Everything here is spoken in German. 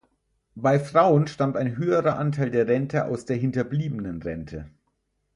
Bei Frauen stammt ein höherer Anteil der Rente aus der Hinterbliebenenrente.